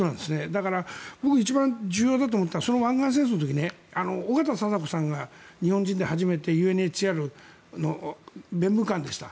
だから、僕が一番重要だと思ったのはその湾岸戦争の時に緒方貞子さんが日本人で初めて、ＵＮＨＣＲの弁務官でした。